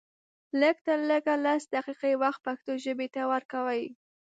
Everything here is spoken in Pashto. لږ تر لږه لس دقيقې وخت پښتو ژبې ته ورکوئ